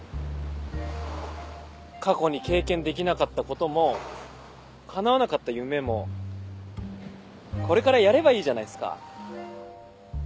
過去に経験できなかったこともかなわなかった夢もこれからやればいいじゃないすか。